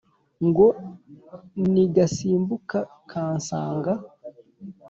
ngo nigasimbuka kansanga